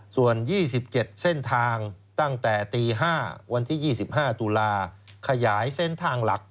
ส่วน๒๗เส้นทางตั้งแต่ตี๕วันที่๒๕ตุลาขยายเส้นทางหลัก